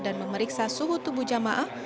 dan memeriksa suhu tubuh jemaah